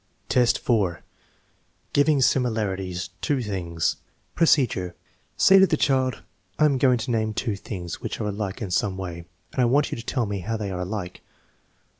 ") VIQ, 4. Giving similarities ; two things Procedure. Say to the child: "I am going to name two things which are alike in some way, and I want you to tell me how they are alike.